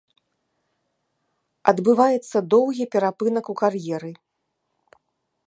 Адбываецца доўгі перапынак у кар'еры.